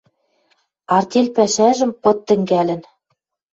Артель пӓшӓжӹм пыт тӹнгӓлӹн..